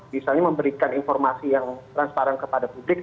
misalnya memberikan informasi yang transparan kepada publik